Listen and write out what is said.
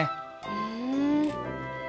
ふん。